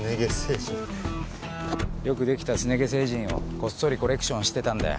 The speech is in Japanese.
よく出来たすね毛星人をこっそりコレクションしてたんだよ。